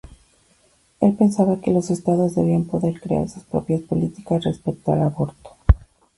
Él pensaba que los estados debían poder crear sus propias políticas respecto al aborto.